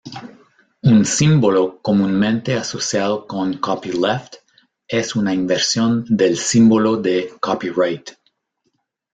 Un símbolo comúnmente asociado con copyleft es una inversión del símbolo de copyright.